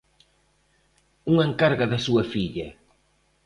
Unha encarga da súa filla.